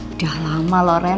udah lama loh ren